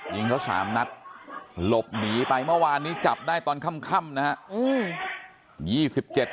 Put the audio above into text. ยิงเขา๓นัดหลบหนีไปเมื่อวานนี้จับได้ตอนค่ำนะฮะ